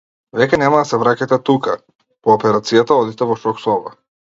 Веќе нема да се враќате тука, по операцијата одите во шок соба.